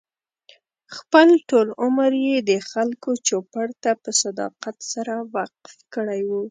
خپل ټول عمر یې د خلکو چوپـړ ته په صداقت سره وقف کړی و.